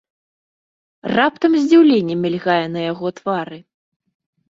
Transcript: Раптам здзіўленне мільгае на яго твары.